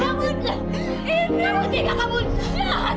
kamu tidak baik tapi kamu jahat